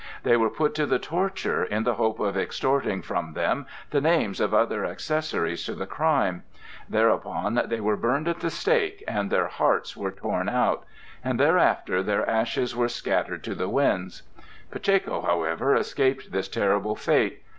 They were put to the torture in the hope of extorting from them the names of other accessories to the crime; thereupon they were burned at the stake, and their hearts were torn out; and thereafter their ashes were scattered to the winds. Pacheco, however, escaped this terrible fate.